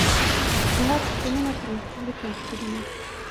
سمارټ فونونه پرمختللي کمپیوټرونه دي.